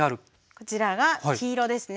こちらが黄色ですね。